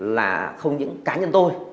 là không những cá nhân tôi